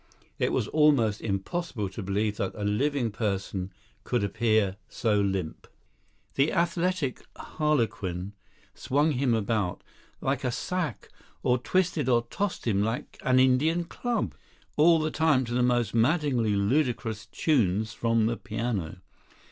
It was almost impossible to believe that a living person could appear so limp. The athletic harlequin swung him about like a sack or twisted or tossed him like an Indian club; all the time to the most maddeningly ludicrous tunes from the piano.